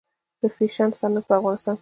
د فیشن صنعت په افغانستان کې شته؟